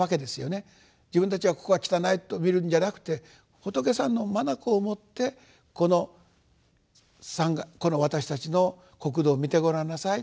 自分たちはここが汚いと見るんじゃなくて「仏さんの眼をもってこの私たちの国土を見てごらんなさい。